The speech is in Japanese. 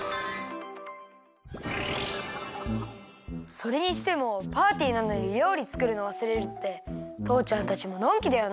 それにしてもパーティーなのにりょうりつくるのわすれるってとうちゃんたちものんきだよな。